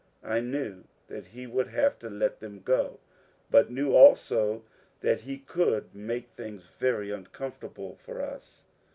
I knew that he would have to let them go, but knew also that he could make things very uncomfortable for us.